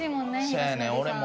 せやねん俺も。